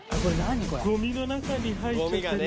ゴミの中に入っちゃってる。